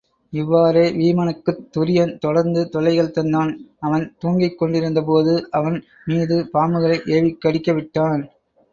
இவ்வாறே வீமனுக்குத் துரியன் தொடர்ந்து தொல்லைகள் தந்தான் அவன் துங்கிக் கொண்டிருக்கும்போது அவன் மீது பாம்புகளை ஏவிக் கடிக்கவிட்டான்.